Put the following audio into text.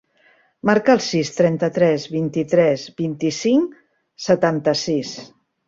Marca el sis, trenta-tres, vint-i-tres, vint-i-cinc, setanta-sis.